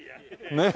ねえ。